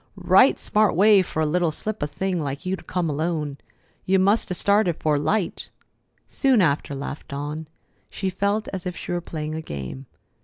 Right smart way fer a little slip of a thing like you to come alone. You must 'a' started 'fore light." "Soon after," laughed Dawn. She felt as if she were playing a game.